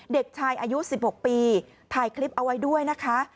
เด็กชายอายุ๑๖ปีถ่ายคลิปเอาไว้ด้วยนะคะ